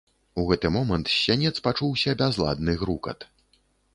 У гэты момант з сянец пачуўся бязладны грукат.